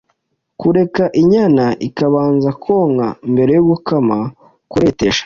Kureka inyana ikabanza konka mbere yo gukama : Kuretesha